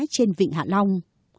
trên vịnh hạ long